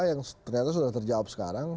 yang ternyata sudah terjawab sekarang